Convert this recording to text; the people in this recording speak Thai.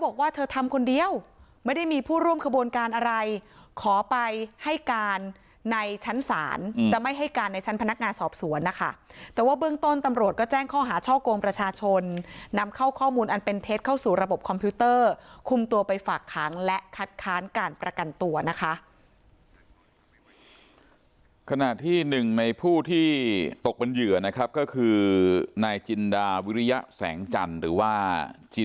บอกว่าเธอทำคนเดียวไม่ได้มีผู้ร่วมขบวนการอะไรขอไปให้การในชั้นศาลจะไม่ให้การในชั้นพนักงานสอบสวนนะคะแต่ว่าเบื้องต้นตำรวจก็แจ้งข้อหาช่อกงประชาชนนำเข้าข้อมูลอันเป็นเท็จเข้าสู่ระบบคอมพิวเตอร์คุมตัวไปฝากขังและคัดค้านการประกันตัวนะคะขณะที่หนึ่งในผู้ที่ตกเป็นเหยื่อนะครับก็คือนายจินดาวิริยะแสงจันทร์หรือว่าเจ